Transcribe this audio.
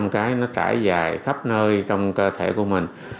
hai trăm linh cái nó trải dài khắp nơi trong cơ thể của mình